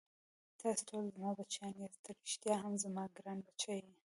تاسې ټوله زما بچیان یاست، ته ريښتا هم زما ګران بچی یې.